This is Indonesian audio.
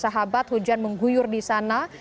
sahabat hujan mengguyur di sana